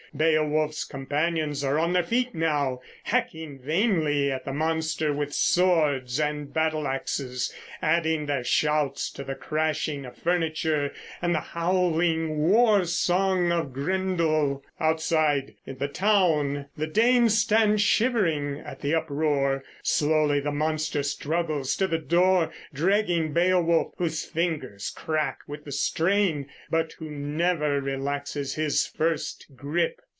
Beowulf's companions are on their feet now, hacking vainly at the monster with swords and battle axes, adding their shouts to the crashing of furniture and the howling "war song" of Grendel. Outside in the town the Danes stand shivering at the uproar. Slowly the monster struggles to the door, dragging Beowulf, whose fingers crack with the strain, but who never relaxes his first grip.